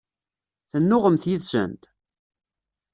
Tennuɣemt yid-sent?